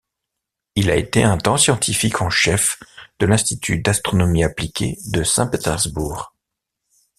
Il a été un temps scientifique en chef de l'Institut d'astronomie appliquée de Saint-Pétersbourg.